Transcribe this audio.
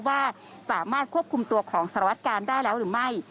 ว่าสามารถควบคุมตัวของสารวัตกาลได้แล้วหรือไม่